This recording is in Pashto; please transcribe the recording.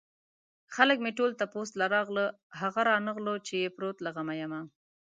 خلک مې ټول تپوس له راغله هغه رانغلو چې يې پروت له غمه يمه